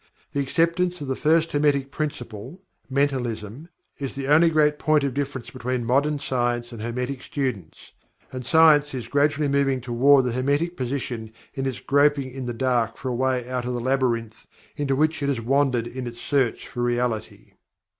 The acceptance of the First Hermetic Principle (Mentalism) is the only great point of difference between Modern Science and Hermetic students, and Science is gradually moving toward the Hermetic position in its groping in the dark for a way out of the Labyrinth into which it has wandered in its search for Reality.